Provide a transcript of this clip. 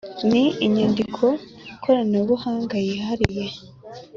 N inyandiko koranabuhanga yihariye